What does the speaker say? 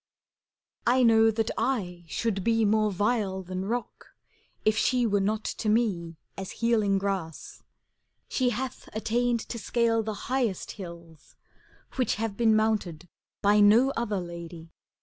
I know that I should be more vile than rock. If she were not to me as healing grass: She hath attained to scale the highest hills. Which have been mounted by no other lady.